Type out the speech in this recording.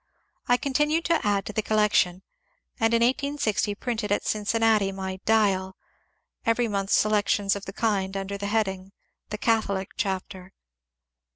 I continued to add to the collection, and in 1860 printed at Cincinnati in my ^^Dial" every month selections of the kind under the heading, ^^ The Catholic Chapter."